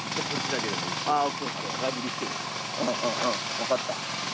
分かった。